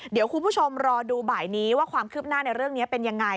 เดี๋ยวคุณผู้ชมรอดูบ่ายนี้ว่าความคืบหน้าในเรื่องนี้เป็นยังไง